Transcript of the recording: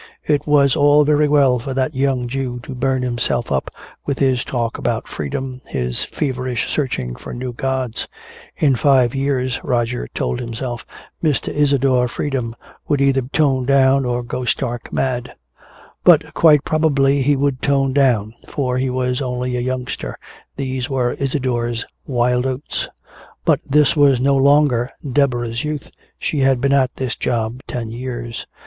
It was all very well for that young Jew to burn himself up with his talk about freedom, his feverish searching for new gods. "In five years," Roger told himself, "Mr. Isadore Freedom will either tone down or go stark mad." But quite probably he would tone down, for he was only a youngster, these were Isadore's wild oats. But this was no longer Deborah's youth, she had been at this job ten years.